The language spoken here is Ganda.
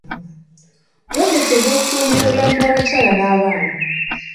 Pulojekiti ejja kutumbula obulamu bw'abakyala n'abaana.